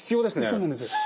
そうなんです。